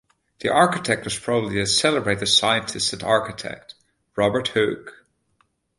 The architect was probably the celebrated scientist and architect, Robert Hooke.